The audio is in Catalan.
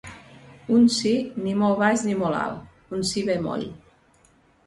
Un sí ni molt baix ni molt alt, un sí bemoll